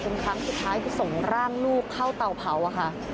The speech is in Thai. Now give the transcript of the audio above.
เป็นครั้งสุดท้ายที่ส่งร่างลูกเข้าเตาเผาอะค่ะ